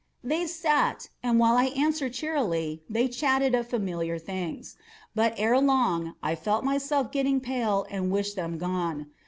They sat, and while I answered cheerily, they chatted of familiar things. But, ere long, I felt myself getting pale and wished them gone.